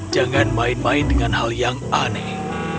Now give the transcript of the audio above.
jangan main main dengan hal yang aneh